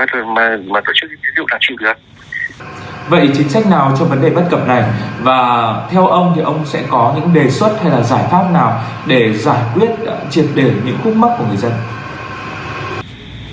và theo ông thì ông sẽ có những đề xuất hay là giải pháp nào để giải quyết triệt đề những khúc mắc của người dân